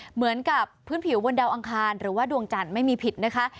เหมือนกับพื้นผิวบนดาวอังคารหรือว่าดวงจันทร์ไม่มีผิดนะคะ